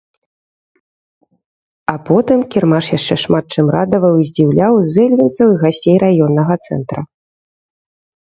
А потым кірмаш яшчэ шмат чым радаваў і здзіўляў зэльвенцаў і гасцей раённага цэнтра.